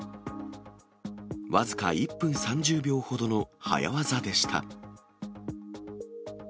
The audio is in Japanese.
僅か１分３０秒ほどの早業でした。